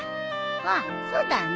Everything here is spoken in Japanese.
あっそうだね。